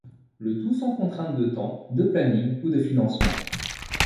Le tout sans contrainte de temps, de planning, ou de financements...